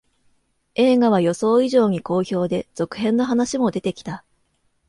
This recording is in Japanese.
映画は予想以上に好評で、続編の話も出てきた